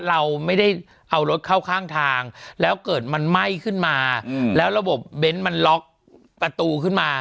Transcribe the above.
เราไม่ได้เอารถเข้าข้างทางแล้วเกิดมันไหม้ขึ้นมาแล้วระบบเบนท์มันล็อกประตูขึ้นมา